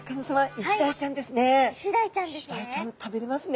イシダイちゃん食べれますね！